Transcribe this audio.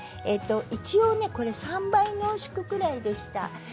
一応、３倍濃縮くらいでした。